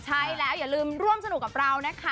ใช่แล้วอย่าลืมร่วมสนุกกับเรานะคะ